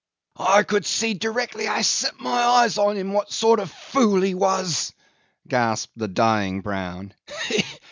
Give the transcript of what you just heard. '"I could see directly I set my eyes on him what sort of a fool he was," gasped the dying Brown.